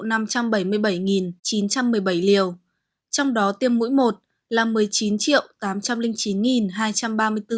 trong đó tiêm mũi một là một mươi chín triệu